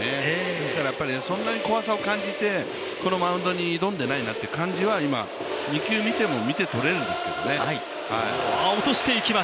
ですからそんなに怖さを感じて、このマウンドに挑んでないなっていう感じは今、２球見ても見て取れるんですね。